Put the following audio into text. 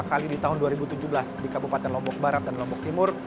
dua kali di tahun dua ribu tujuh belas di kabupaten lombok barat dan lombok timur